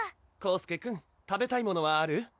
宏輔くん食べたいものはある？